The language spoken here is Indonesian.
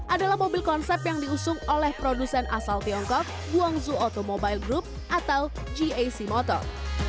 adalah mobil konsep yang diusung oleh produsen asal tiongkok guangzhou automobile group atau gac motor